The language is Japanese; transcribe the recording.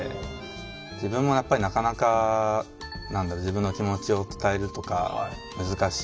自分もやっぱりなかなか何だろう自分の気持ちを伝えるとか難しいから。